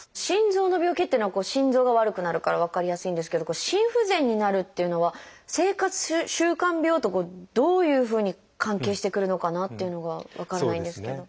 心臓の病気っていうのは心臓が悪くなるから分かりやすいんですけど心不全になるっていうのは生活習慣病とどういうふうに関係してくるのかなっていうのが分からないんですけど。